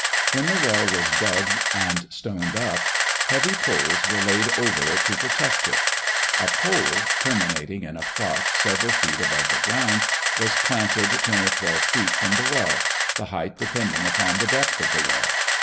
When the well was dug and stoned up, heavy poles were laid over it to protect it. A pole, terminating in a crotch several feet above the ground, was planted ten or twelve feet from the well—the height depending upon the depth of the well.